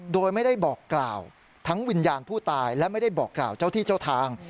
โดยไม่ได้บอกกล่าวทั้งวิญญาณผู้ตายและไม่ได้บอกกล่าวเจ้าที่เจ้าทาง